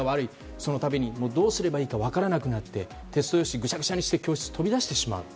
そのたびにどうすればいいか分からなくなってテスト用紙をぐしゃぐしゃにして教室を飛び出してしまう。